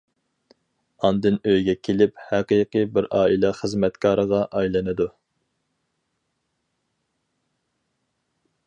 ئاندىن ئۆيگە كېلىپ، ھەقىقىي بىر ئائىلە خىزمەتكارىغا ئايلىنىدۇ.